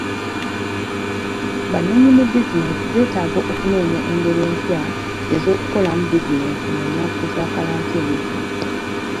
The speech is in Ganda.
Bannannyini bizinensi beetaaga okunoonya engeri empya ez'okukolamu bizinensi mu nnaku za kalantiini zino.